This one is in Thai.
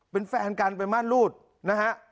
เป็นแฟนกันเป็นม่านรูดนะฮะ